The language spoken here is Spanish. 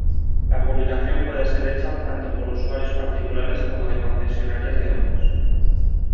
La publicación puede ser hecha tanto por usuarios particulares como de concesionarias de autos.